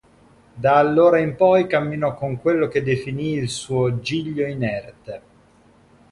Da allora in poi camminò con quello che definì il suo "giglio inerte".